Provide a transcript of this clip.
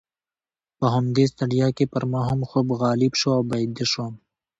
په همدې ستړیا کې پر ما هم خوب غالبه شو او بیده شوم.